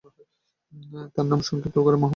তিনি তার নাম সংক্ষিপ্ত করে মুহাম্মদ আলি জিন্নাহ রাখেন।